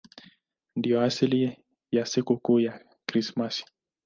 Ndiyo asili ya sikukuu ya Krismasi.